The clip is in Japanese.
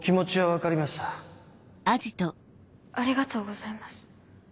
ありがとうございます。